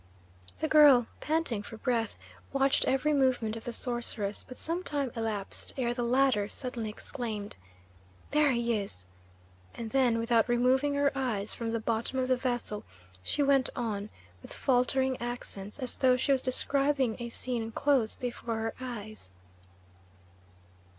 The girl, panting for breath, watched every movement of the sorceress, but some time elapsed ere the latter suddenly exclaimed, "There he is!" and then, without removing her eyes from the bottom of the vessel, she went on, with faltering accents, as though she was describing a scene close before her eyes.